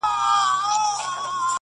انګولاوي به خپرې وې د لېوانو!